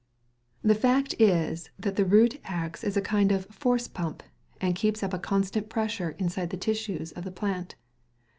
The fact is that the root acts as a kind of force pump, and keeps up a constant pressure inside the tissues of the plant.